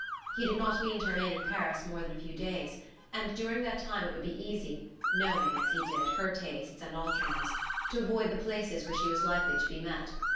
He did not mean to remain in Paris more than a few days; and during that time it would be easy knowing, as he did, her tastes and Altringham's to avoid the places where she was likely to be met.